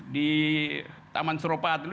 di taman suropata itu